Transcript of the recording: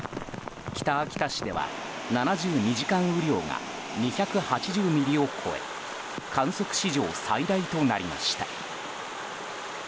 北秋田市では７２時間雨量が２８０ミリを超え観測史上最大となりました。